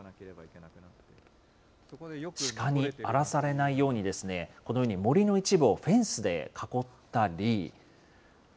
シカに荒らされないようにですね、このように森の一部をフェンスで囲ったり。